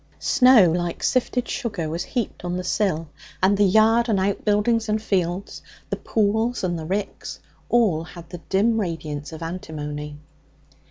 Snow like sifted sugar was heaped on the sill, and the yard and outbuildings and fields, the pools and the ricks, all had the dim radiance of antimony.